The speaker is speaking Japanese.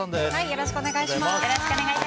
よろしくお願いします。